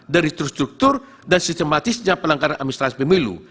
dari terstruktur dan sistematisnya pelanggaran amnestri pemilu